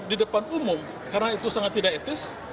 di depan umum karena itu sangat tidak etis